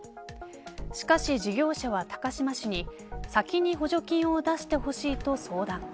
しかし、事業者は高島市に先に補助金を出してほしいと相談。